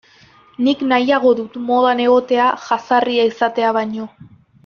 Nik nahiago dut modan egotea jazarria izatea baino.